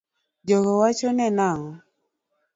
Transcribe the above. Jogo wachone nango ?